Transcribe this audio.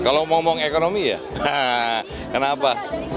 kalau ngomong ekonomi ya kenapa